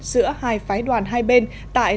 giữa hai phái đoàn hai bên tại